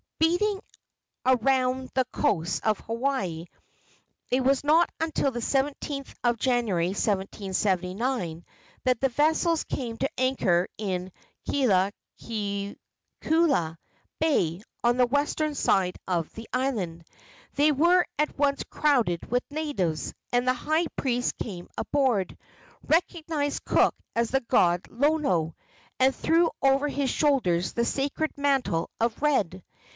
Beating around the coasts of Hawaii, it was not until the 17th of January, 1779, that the vessels came to anchor in Kealakeakua Bay, on the western side of the island. They were at once crowded with natives, and the high priest came aboard, recognized Cook as the god Lono, and threw over his shoulders the sacred mantle of red.